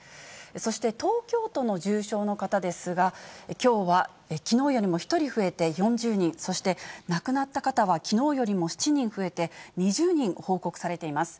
そして東京都の重症の方ですが、きょうはきのうよりも１人増えて４０人、そして、亡くなった方はきのうよりも７人増えて２０人報告されています。